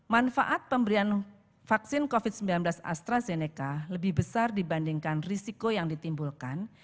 manfaat pemberian vaksin covid sembilan belas astrazeneca lebih besar dibandingkan risiko yang ditimbulkan